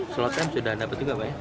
slow time sudah dapat juga pak